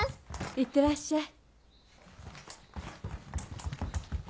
いってらっしゃい。